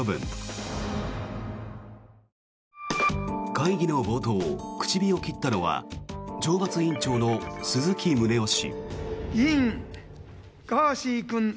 会議の冒頭、口火を切ったのは懲罰委員長の鈴木宗男氏。